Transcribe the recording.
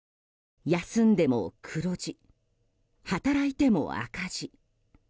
休んでも黒字、働いても赤字。